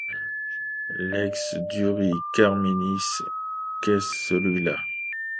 Lex duri carminis. — Qu’est celui-là?